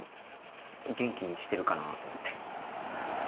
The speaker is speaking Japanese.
元気にしてるかなと思って。